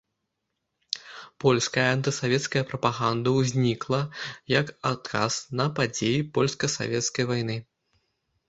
Польская антысавецкая прапаганда ўзнікла як адказ на падзеі польска-савецкай вайны.